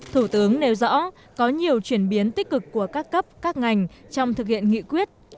thủ tướng nêu rõ có nhiều chuyển biến tích cực của các cấp các ngành trong thực hiện nghị quyết